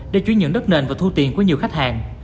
để chú ý nhuận đất nền và thu tiền của nhiều khách hàng